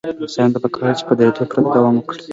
انسان ته پکار ده چې په درېدو پرته دوام ورکړي.